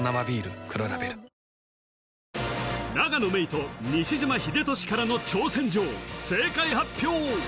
郁と西島秀俊からの挑戦状正解発表！